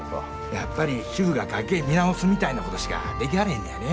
やっぱり主婦が家計見直すみたいなことしかできはれへんのやねぇ。